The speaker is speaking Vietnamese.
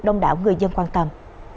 đông đảo người dân quan tâm